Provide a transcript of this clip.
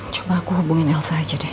cuma aku hubungin elsa aja deh